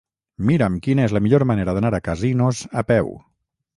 Mira'm quina és la millor manera d'anar a Casinos a peu.